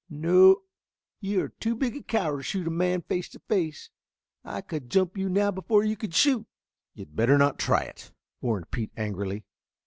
"No. You are too big a coward to shoot a man face to face. I could jump you now before you could shoot." "You'd better not try it," warned Pete angrily.